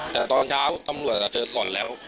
แต่ตอนเช้าตังหลวดก็ใช่ร้อนแล้ว